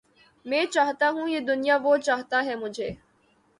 میں چاہتا ہوں یہ دنیا وہ چاہتا ہے مجھے